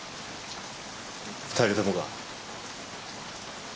２人ともか？